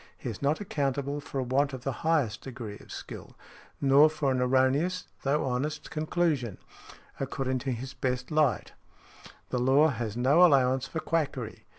He is not accountable for a want of the highest degree of skill , nor for an erroneous, though honest conclusion, |59| according to his best light . The law has no allowance for quackery.